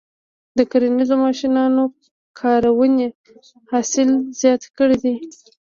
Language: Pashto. د کرنیزو ماشینونو کارونې حاصل زیات کړی دی.